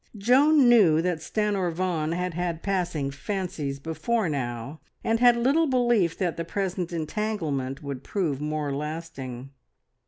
Joan knew that Stanor Vaughan had had passing fancies before now, and had little belief that the present entanglement would prove more lasting.